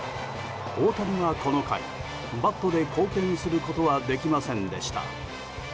大谷はこの回、バットで貢献することはできませんでした。